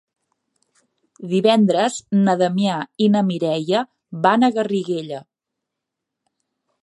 Divendres na Damià i na Mireia van a Garriguella.